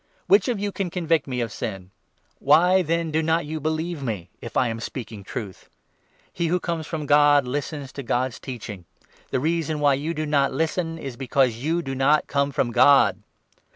Which of you can convict me of sin ? Why then do not 46 you believe me, if I am speaking truth ? He who comes from 47 God listens to God's teaching ; the reason why you do not listen is because you do not come from God.